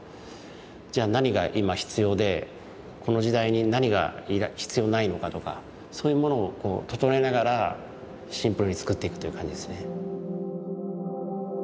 じゃあ何が今必要でこの時代に何が必要ないのかとかそういうものを整えながらシンプルに作っていくという感じですね。